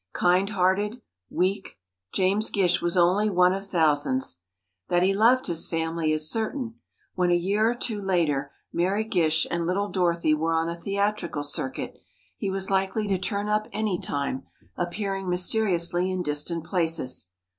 Kind hearted, weak—James Gish was only one of thousands. That he loved his family is certain. When a year or two later, Mary Gish and little Dorothy were on a theatrical circuit, he was likely to turn up any time, appearing mysteriously in distant places.